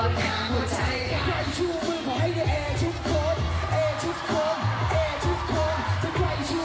ถ้าใครชูมือขอให้ได้เกียรตินิยม